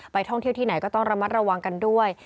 ท่องเที่ยวที่ไหนก็ต้องระมัดระวังกันด้วย